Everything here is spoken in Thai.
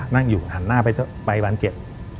นั่งอยู่หันหน้าไปบานเก็ต